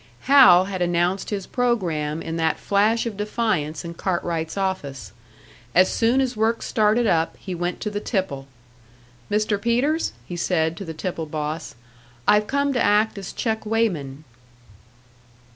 Hal had announced his programme in that flash of defiance in Cartwright's office. As soon as work started up, he went to the tipple. "Mr. Peters," he said, to the tipple boss, "I've come to act as check weighman."